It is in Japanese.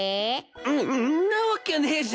んんなわけねえじゃん！